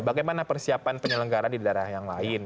bagaimana persiapan penyelenggara di daerah yang lain